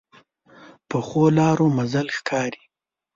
پخو لارو منزل ښکاري